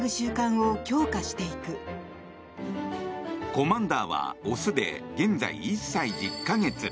コマンダーはオスで現在１歳１０か月。